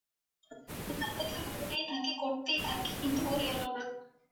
আমি অপেক্ষা করতেই থাকি, করতেই থাকি, কিন্তু ও এলো না।